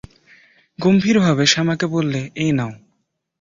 গম্ভীরভাবে শ্যামাকে বললে, এই নাও।